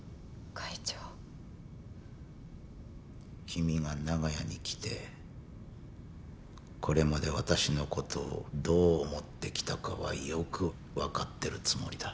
君が長屋に来てこれまで私の事をどう思ってきたかはよくわかってるつもりだ。